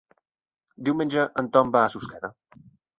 Diumenge en Tom va a Susqueda.